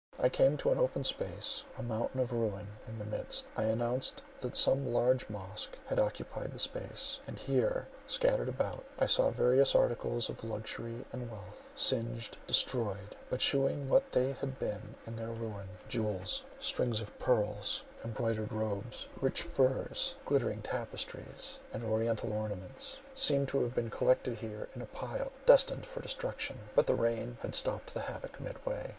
I came to an open space—a mountain of ruin in the midst, announced that some large mosque had occupied the space—and here, scattered about, I saw various articles of luxury and wealth, singed, destroyed—but shewing what they had been in their ruin—jewels, strings of pearls, embroidered robes, rich furs, glittering tapestries, and oriental ornaments, seemed to have been collected here in a pile destined for destruction; but the rain had stopped the havoc midway.